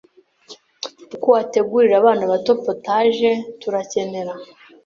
uko wategurira abana bato potageTurakenera